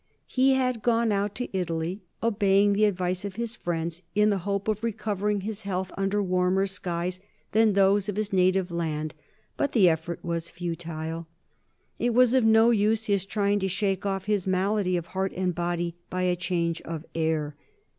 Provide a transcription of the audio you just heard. He had gone out to Italy, obeying the advice of his friends, in the hope of recovering his health under warmer skies than those of his native land, but the effort was futile. It was of no use his trying to shake off his malady of heart and body by a change of air.